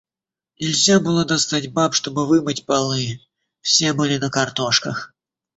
Нельзя было достать баб, чтобы вымыть полы, — все были на картошках.